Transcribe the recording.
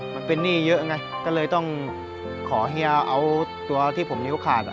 มันเป็นหนี้เยอะไงก็เลยต้องขอเฮียเอาตัวที่ผมนิ้วขาด